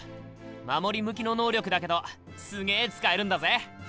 守り向きの能力だけどすげえ使えるんだぜ！